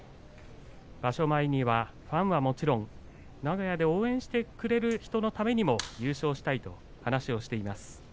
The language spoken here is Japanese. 場所前にはファンはもちろん名古屋で応援してくれる人のためにも優勝したいと話をしています。